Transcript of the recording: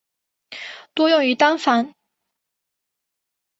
多用于单镜反光相机。